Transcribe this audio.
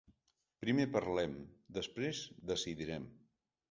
Primer parlem, després decidirem.